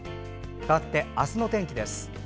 かわって明日の天気です。